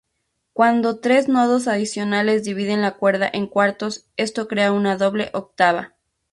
Cuando tres nodos adicionales dividen la cuerda en cuartos, esto crea una doble octava.